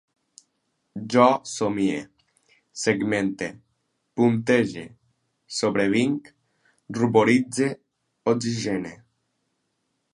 Jo somie, segmente, puntege, sobrevinc, ruboritze, oxigene